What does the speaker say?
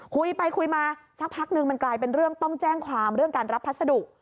คุยไปคุยมาสักพักนึงมันกลายเป็นเรื่องต้องแจ้งความเรื่องการรับพัสดุ